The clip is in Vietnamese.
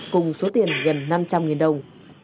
cùng số tiền gần năm trăm linh đồng